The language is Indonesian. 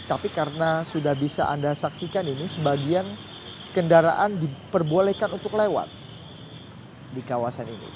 tapi karena sudah bisa anda saksikan ini sebagian kendaraan diperbolehkan untuk lewat di kawasan ini